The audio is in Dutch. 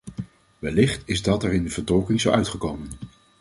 Wellicht is dat er in de vertolking zo uitgekomen.